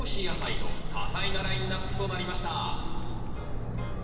野菜と多彩なラインナップとなりました